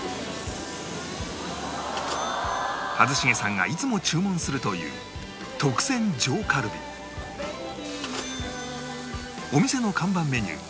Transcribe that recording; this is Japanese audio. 一茂さんがいつも注文するというお店の看板メニュー